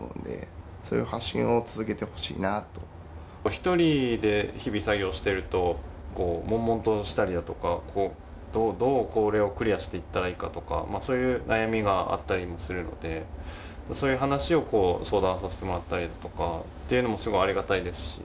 １人で日々作業しているとこうもんもんとしたりだとかどうこれをクリアしていったらいいかとかそういう悩みがあったりもするのでそういう話を相談させてもらったりとかっていうのもすごくありがたいですし。